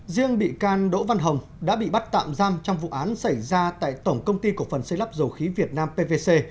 riêng bị can đỗ văn hồng đã bị bắt tạm giam trong vụ án xảy ra tại tổng công ty cổ phần xây lắp dầu khí việt nam pvc